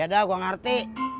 ya dah gue ngerti